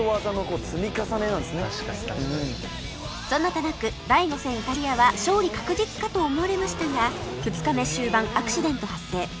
そんなタナック第５戦イタリアは勝利確実かと思われましたが２日目終盤アクシデント発生